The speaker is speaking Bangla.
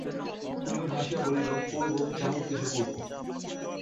কুমুদ হাসিয়া বলিল, করব, যাহোক কিছু করব!